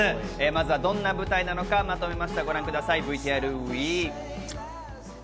まずはどんな舞台なのかまとめました。